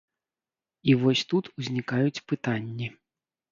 І вось тут узнікаюць пытанні.